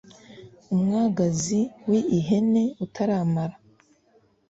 umwagazi w ihene utaramara